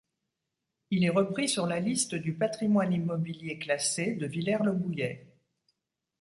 Il est repris sur la liste du patrimoine immobilier classé de Villers-le-Bouillet.